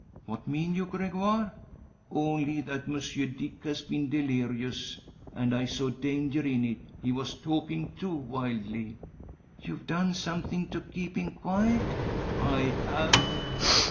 "What mean you, Gregoire?" "Only that Monsieur Dick has been delirious, and I saw danger in it. He was talking too wildly." "You've done something to keep him quiet?" "I have."